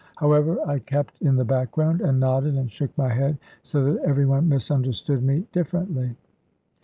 However, I kept in the background, and nodded and shook my head so that every one misunderstood me differently.